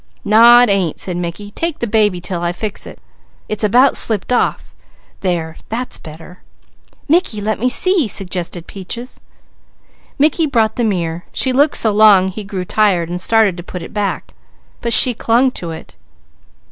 "Naw it ain't!" said Mickey. "Take the baby 'til I fix it! It's about slipped off! There! That's better." "Mickey, let me see it!" suggested Peaches. Mickey brought the mirror. She looked so long he grew tired and started to put it back, but she clung to it.